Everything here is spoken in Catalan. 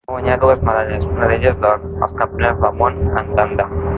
Va guanyar dues medalles, una d'elles d'or, als Campionats del món en tàndem.